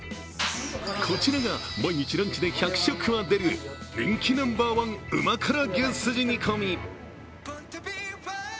こちらが毎日ランチで１００食は出る人気ナンバーワン、旨辛牛すじ煮込。